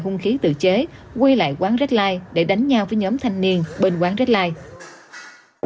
hung khí tự chế quy lại quán redline để đánh nhau với nhóm thanh niên bên quán redline